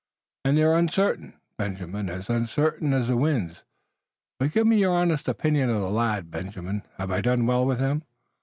"And they're uncertain, Benjamin, as uncertain as the winds. But give me your honest opinion of the lad, Benjamin. Have I done well with him?"